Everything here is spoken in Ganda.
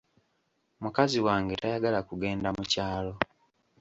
Mukazi wange tayagala kugenda mu kyalo.